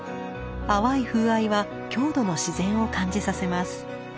淡い風合いは郷土の自然を感じさせます。